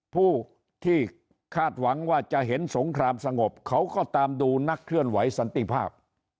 ผู้ที่คาดหวังว่าจะเห็นสงครามสงบเขาก็ตามดูนักเคลื่อนไหวสันติภาพ